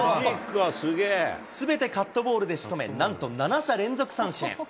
すべてカットボールでしとめ、なんと７者連続三振。